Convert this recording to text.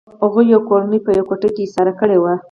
هغوی یوه کورنۍ په یوه کوټه کې ایساره کړې وه